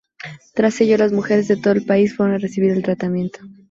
Tras ello, las mujeres de todo el país fueron a recibir el tratamiento.